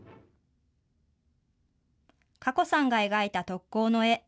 かこさんが描いた特攻の絵。